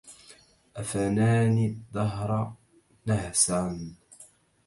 أفناني الدهر نهسا